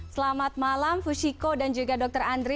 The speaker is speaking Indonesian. selamat malam fushiko dan juga dr andri